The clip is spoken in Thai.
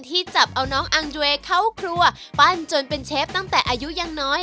ที่จับเอาน้องอังเวย์เข้าครัวปั้นจนเป็นเชฟตั้งแต่อายุยังน้อย